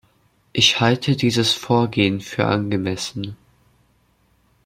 Ich halte dieses Vorgehen für angemessen.